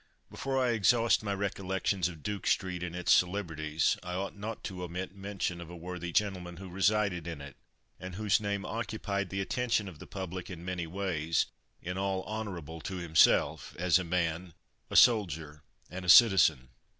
Before I exhaust my recollections of Duke street and its celebrities, I ought not to omit mention of a worthy gentleman who resided in it, and whose name occupied the attention of the public in many ways, in all honourable to himself, as a man, a soldier, and a citizen.